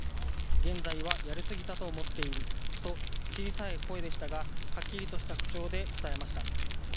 現在はやり過ぎたと思っていると、小さい声でしたが、はっきりとした口調で答えました。